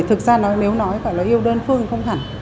thực ra nếu nói phải là yêu đơn phương thì không hẳn